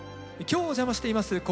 今日お邪魔しています